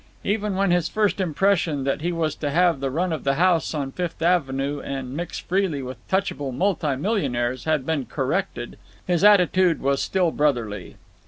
Even when his first impression, that he was to have the run of the house on Fifth Avenue and mix freely with touchable multi millionaires, had been corrected, his altitude was still brotherly.